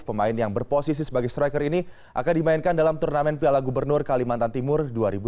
pemain yang berposisi sebagai striker ini akan dimainkan dalam turnamen piala gubernur kalimantan timur dua ribu delapan belas